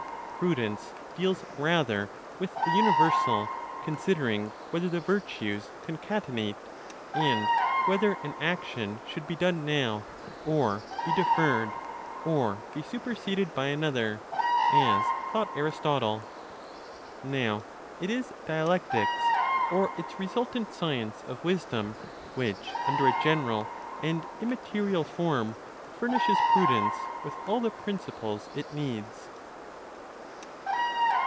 Prudence deals rather with the universal, considering whether the virtues concatenate, and whether an action should be done now, or be deferred, or be superseded by another (as thought Aristotle). Now it is dialectics, or its resultant science of wisdom which, under a general and immaterial form, furnishes prudence with all the principles it needs.